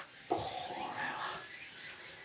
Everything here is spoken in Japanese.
これは。